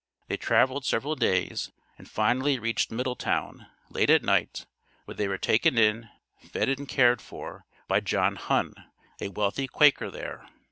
They traveled several days, and finally reached Middletown, late at night, where they were taken in, fed and cared for, by John Hunn, a wealthy Quaker, there.